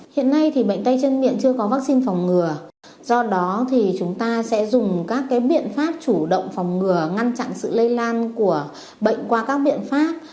hiện nay bệnh tay chân miệng chưa có vaccine phòng ngừa do đó thì chúng ta sẽ dùng các biện pháp chủ động phòng ngừa ngăn chặn sự lây lan của bệnh qua các biện pháp